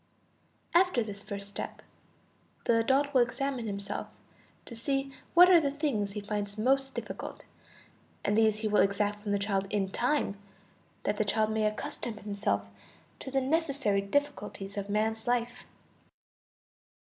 After this first step the adult will examine himself to see what are the things he finds most difficult, and these he will exact from the child in time, that the child may accustom himself to the necessary difficulties of man's life.